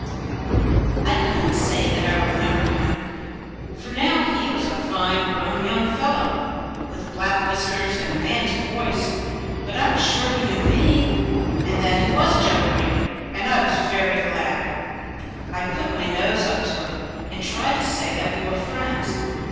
I could not say that I remembered him, for now he was a fine grown young fellow, with black whiskers and a man's voice, but I was sure he knew me, and that he was Joe Green, and I was very glad. I put my nose up to him, and tried to say that we were friends.